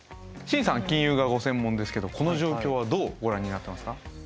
慎さんは金融がご専門ですけどこの状況はどうご覧になってますか？